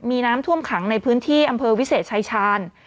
มีน้ำท่วมขังในพื้นที่อำเภอวิเศษชายชาญ